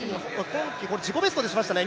今季自己ベストを出しましたね